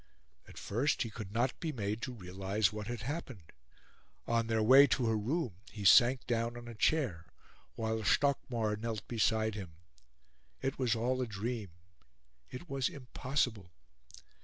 At first he could not be made to realise what had happened. On their way to her room he sank down on a chair while Stockmar knelt beside him: it was all a dream; it was impossible.